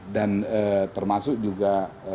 dan termasuk juga